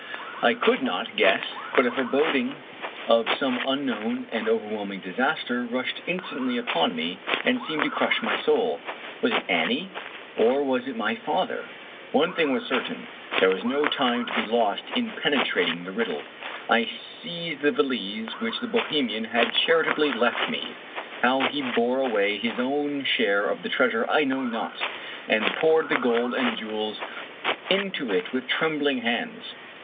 I could not guess, but a foreboding of some unknown and overwhelming disaster rushed instantly upon me, and seemed to crush my soul. Was it Annie, or was it my father? One thing was certain, there was no time to be 45 Irish Mystery Stories lost in penetrating the riddle. I seized the valise which the Bohemian had charitably left me — ^how he bore away his owji share of the treasure I know not — and poured the gold and jewels into it with trembling hands.